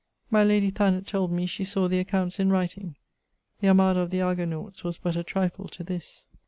My lady Thanet told me she sawe the accounts in writing. The armada of the Argonautes was but a trifle to this.